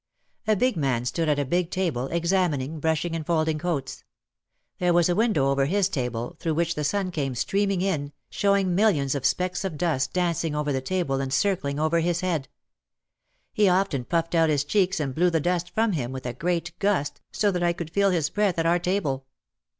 A big man stood at a big table, examining, brushing and folding coats. There was a window over his table through which the sun came streaming in, showing mil lions of specks of dust dancing over the table and circling over his head. He often puffed out his cheeks and blew the dust from him with a great gust so that I could feel his breath at our table.